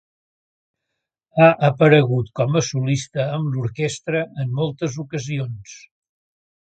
Ha aparegut com a solista amb l'orquestra en moltes ocasions.